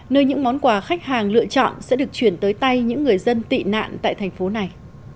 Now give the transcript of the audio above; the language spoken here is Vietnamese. nơi những món quà khách hàng lựa chọn sẽ được chuyển tới tay những người dân tị nạn tại thành phố này